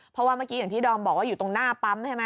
เพราะว่าเมื่อกี้อย่างที่ดอมบอกว่าอยู่ตรงหน้าปั๊มใช่ไหม